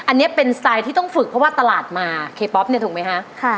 อันนี้เป็นสไตล์ที่ต้องฝึกเพราะว่าตลาดมาเคป๊อปเนี่ยถูกไหมคะ